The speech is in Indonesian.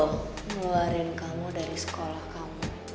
ngeluarin kamu dari sekolah kamu